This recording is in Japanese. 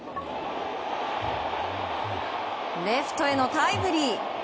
レフトへのタイムリー！